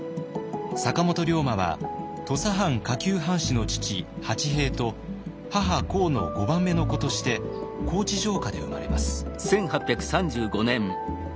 坂本龍馬は土佐藩下級藩士の父八平と母幸の５番目の子として高知城下で生まれます。